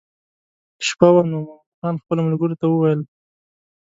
شپه وه نو مومن خان خپلو ملګرو ته وویل.